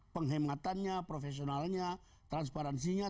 penghematannya profesionalnya transparansinya